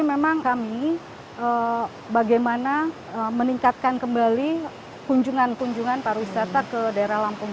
memang kami bagaimana meningkatkan kembali kunjungan kunjungan pariwisata ke daerah lampung